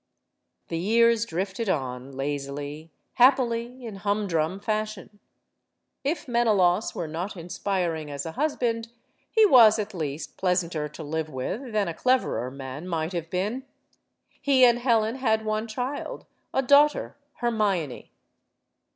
The years drifted on, lazily, happily, in humdrum fashion. If Menelaus were not inspiring as a husband, he was at least pleasanter to live with than a cleverer man might have been. He and Helen had one child, a daughter, Hermione.